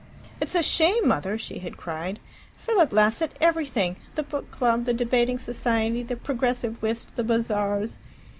"It's a shame, Mother!" she had cried. "Philip laughs at everything the Book Club, the Debating Society, the Progressive Whist, the bazaars.